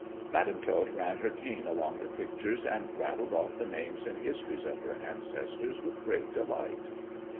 Madam Tot ran her cane along the pictures, and rattled off the names and histories of her ancestors with great delight.